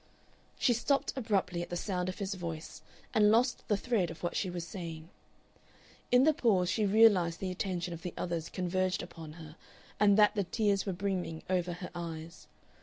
She stopped abruptly at the sound of his voice, and lost the thread of what she was saying. In the pause she realized the attention of the others converged upon her, and that the tears were brimming over her eyes.